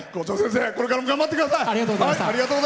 これからも頑張ってください。